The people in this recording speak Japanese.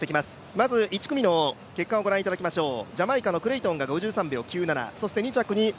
まず１組の結果をご覧いただきましょう。